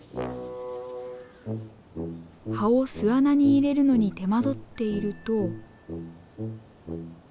葉を巣穴に入れるのに手間取っていると。